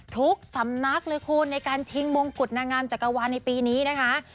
ทุกสำนักเลยคุณในการชิงมงกุฎนางงามจักรวาลในปีนี้นะคะ